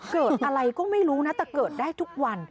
เกิดอะไรก็ไม่รู้นะแต่เกิดได้ทุกวัน